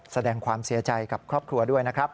แสดงความเสียใจกับครอบครัวด้วยนะครับ